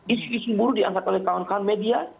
isu isu buruh diangkat oleh kawan kawan media